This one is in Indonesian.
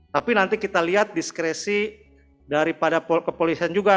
tapi nanti kita lihat diskresi daripada kepolisian juga